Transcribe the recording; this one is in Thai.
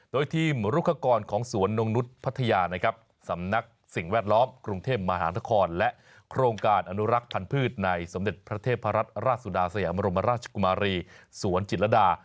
โดยทีมรุคกรของสวนนงนุษย์พัทยานะครับสำนักสิ่งแวดล้อมกรุงเทพมหานครและโครงการอนุรักษ์พันธ์พืชในสมเด็จพระเทพรัตนราชสุดาสยามรมราชกุมารีสวนจิตรดา